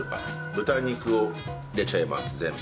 豚肉を入れちゃいます全部。